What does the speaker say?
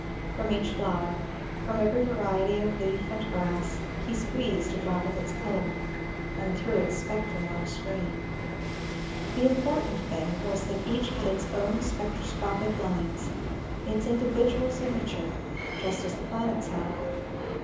From each flower, from every variety of leaf and grass, he squeezed a drop of its color, and threw its spectrum on a screen. The important thing was that each had its own spectroscopic lines, its individual signature, just as the planets have.